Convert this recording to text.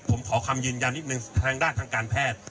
ผมขอคำยืนยันนิดนึงทางด้านทางการแพทย์